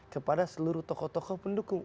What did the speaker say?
kepada seluruh tokoh tokoh pendukung